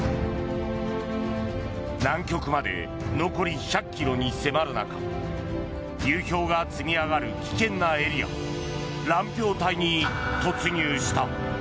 南極まで残り１００ｋｍに迫る中流氷が積み上がる危険なエリア乱氷帯に突入した。